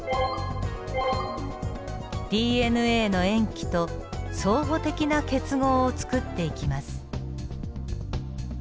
ＤＮＡの塩基と相補的な結合を作っていきます。